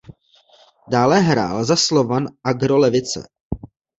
Dále hrál za Slovan Agro Levice.